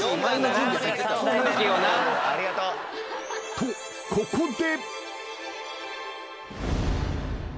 ［とここで］